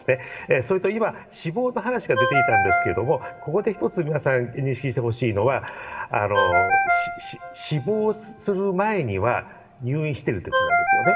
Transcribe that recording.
それと今、死亡の話が出ていたんですけれども、ここで一つ、皆さん、認識してほしいのは、死亡する前には入院しているということなんですよね。